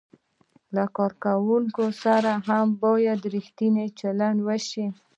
له کارکوونکو سره هم باید ریښتینی چلند وشي.